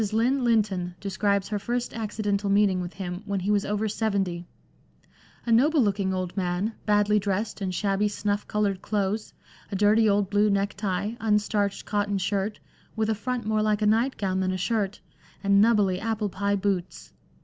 Lynn Lynton describes her first accidental meeting with him when he was over seventy —" a noble looking old man, badly dressed in shabby snufif coloured clothes, a dirty old blue necktie, un starched cotton shirt — with a front more like a night gown than a shirt — and 'knubbly' applepie boots.